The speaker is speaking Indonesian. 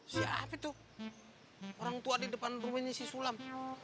siap itu orang tua di depan rumahnya si sulam